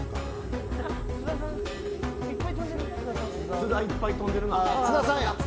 津田いっぱい跳んでるな。